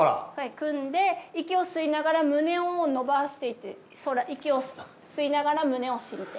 組んで息を吸いながら胸を伸ばしていって息を吸いながら胸を伸展。